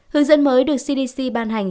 hướng dẫn mới được cdc ban hành